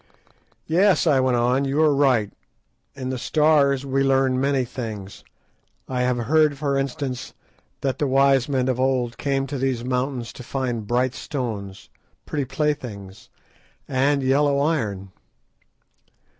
"Yes," I went on, "you are right, in the Stars we learn many things. I have heard, for instance, that the wise men of old came to these mountains to find bright stones, pretty playthings, and yellow iron."